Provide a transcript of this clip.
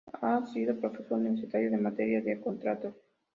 Ha sido profesor universitario en materia de Contratos.